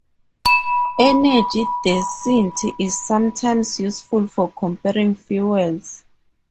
Energy density is sometimes useful for comparing fuels.